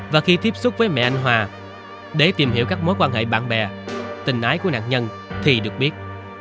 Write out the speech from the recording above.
và khi tiếp xúc với mẹ anh hòa để tìm hiểu các mối quan hệ bạn bè tình ái của nạn nhân thì được biết